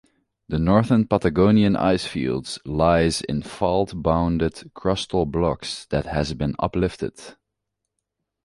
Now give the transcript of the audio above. The Northern Patagonian Ice Field lies in fault-bounded crustal block that has been uplifted.